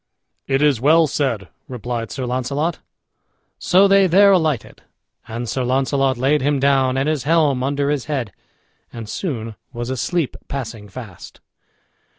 "It is well said," replied Sir Launcelot. So they there alighted, and Sir Launcelot laid him down, and his helm under his head, and soon was asleep passing fast.